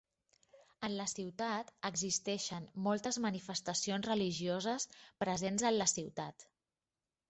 En la ciutat, existeixen moltes manifestacions religioses presents en la ciutat.